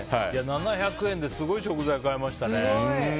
７００円ですごい食材買いましたね。